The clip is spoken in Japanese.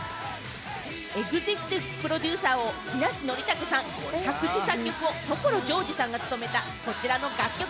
エグゼクティブ・プロデューサーを木梨憲武さん、作詞作曲を所ジョージさんが務めたこちらの楽曲。